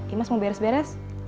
imas mau beres beres